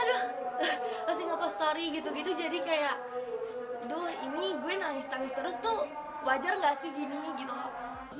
aduh pasti ngepost story gitu gitu jadi kayak aduh ini gue nangis nangis terus tuh wajar gak sih gini gitu loh